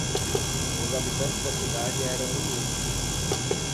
Os habitantes da cidade eram unidos.